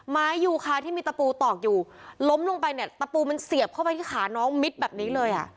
ไม้ยูคาที่มีตะปูตอกอยู่ล้มลงไปเนี่ยตะปูมันเสียบเข้าไปที่ขาน้องมิดแบบนี้เลยอ่ะ